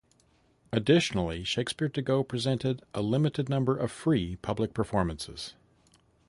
Additionally, Shakespeare to Go presented a limited number of free public performances.